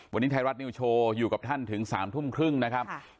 วันนี้ไทยรัฐนิวโชว์อยู่กับท่านถึง๓ทุ่มครึ่งนะครับ